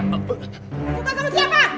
suka sama siapa